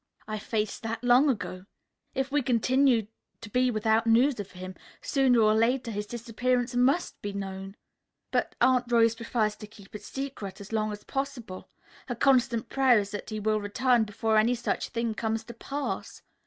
"I faced that long ago. If we continue to be without news of him, sooner or later his disappearance must become known. But Aunt Rose prefers to keep it secret as long as possible. Her constant prayer is that he will return before any such thing comes to pass.